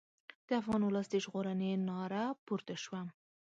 د افغان ولس د ژغورنې ناره پورته شوه.